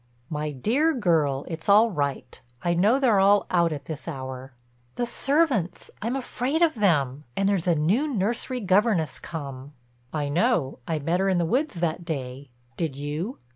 "My dear girl, it's all right—I know they're all out at this hour." "The servants—I'm afraid of them—and there's a new nursery governess come." "I know. I met her in the woods that day. Did you?"